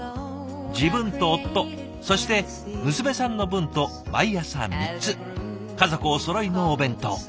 自分と夫そして娘さんの分と毎朝３つ家族おそろいのお弁当。